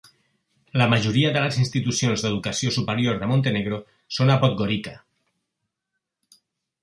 La majoria de les institucions d'educació superior de Montenegro són a Podgorica.